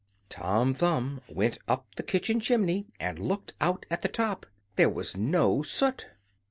Tom Thumb went up the kitchen chimney and looked out at the top there was no soot.